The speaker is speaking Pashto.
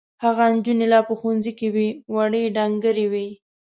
هغه نجونې لا په ښوونځي کې وې وړې ډنګرې وې.